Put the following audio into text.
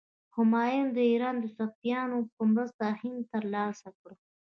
همایون د ایران د صفویانو په مرسته هند تر لاسه کړ.